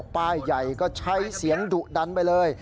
ป้ายใหญ่ก็ใช้เสียงดุดันไปเลย